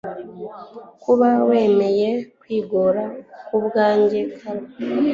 kuba wemeye kwigora kubwa njyeClara